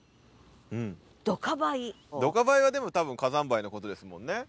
「ドカ灰」はでも多分火山灰のことですもんね。